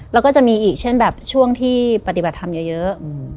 แล้วก็จะมีอีกเช่นแบบช่วงที่ปฏิบัติธรรมเยอะ